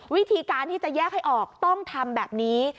วิธีการที่จะแยกให้ออกต้องทำแบบนี้